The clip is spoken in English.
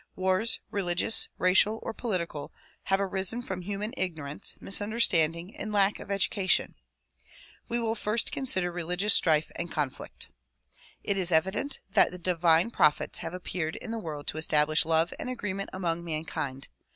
Wars, religious, racial or political have arisen from human ignorance, misunderstanding and lack of education. We will first consider religious strife and conflict. It is evident that the divine prophets have appeared in the world to establish love and agreement among mankind.